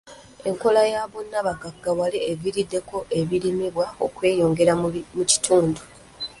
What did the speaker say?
Enkola ya bonnabagaggawale eviiriddeko ebirimibwa okweyongera mu kitundu.